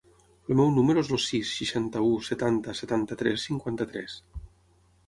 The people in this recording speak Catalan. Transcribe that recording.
El meu número es el sis, seixanta-u, setanta, setanta-tres, cinquanta-tres.